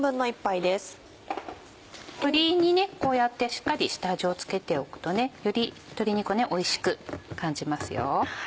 鶏にこうやってしっかり下味を付けておくとより鶏肉おいしく感じます。